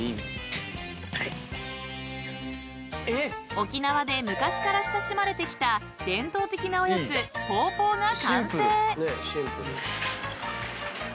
［沖縄で昔から親しまれてきた伝統的なおやつポーポーが完成］